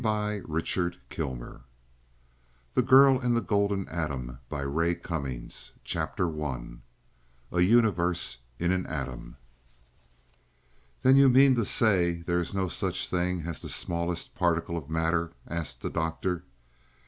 The First Christmas THE GIRL IN THE GOLDEN ATOM CHAPTER I A UNIVERSE IN AN ATOM "Then you mean to say there is no such thing as the smallest particle of matter?" asked the Doctor.